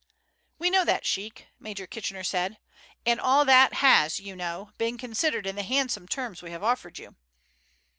"We know that, sheik," Major Kitchener said; "and all that has, you know, been considered in the handsome terms we have offered you."